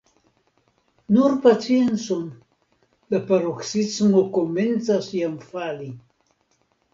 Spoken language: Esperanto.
Nur paciencon, la paroksismo komencas jam fali.